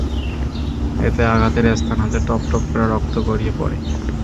এতে আঘাতের স্থান হতে টপটপ করে রক্ত গড়িয়ে পড়ে।